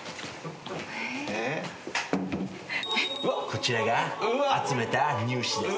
こちらが集めた乳歯です。